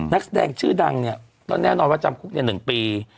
นักแสดงชื่อดังเนี่ยก็แน่นอนว่าจำคุก๑ปี